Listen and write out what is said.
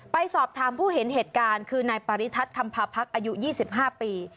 ไปสอบถามผู้เห็นเหตุการณ์คือนายปริทัศน์คำพาพักษ์อายุ๒๕ปี